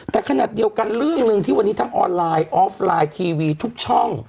แต่ขณะเดียวกันเรื่องหนึ่งที่วันนี้ทั้งออนไลน์ออฟไลน์ทีวีทุกช่อง